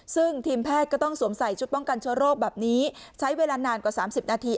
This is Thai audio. ซึ่งทีมแพทย์ก็ต้องสวมใส่ชุดป้องกันเชื้อโรคแบบนี้ใช้เวลานานกว่า๓๐นาที